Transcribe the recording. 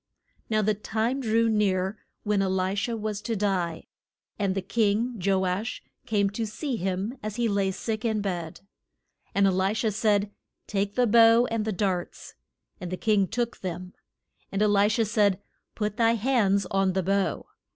Now the time drew near when E li sha was to die. And the king, Jo ash, came to see him as he lay sick in bed. And E li sha said, Take the bow and the darts. And the king took them. And E li sha said, Put thy hands on the bow.